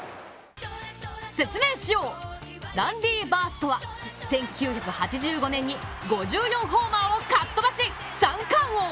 説明しよう、ランディ・バースとは１９８５年に５４ホーマーをかっ飛ばし、三冠王。